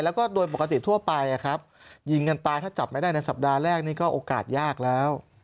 แล้วก็โดยปกติทั่วไปยิงกันตายถ้าจับไม่ได้ในสัปดาห์แรกนี่ก็โอกาสยากแล้ว